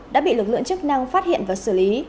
đã bị lực lượng chức năng phát hiện và xử lý